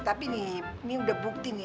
tapi ini udah bukti nih